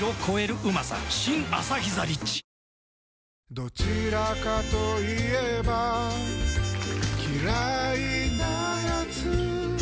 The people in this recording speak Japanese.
どちらかと言えば嫌いなやつ